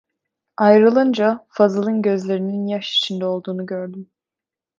Ayrılınca Fazıl'ın gözlerinin yaş içinde olduğunu gördüm.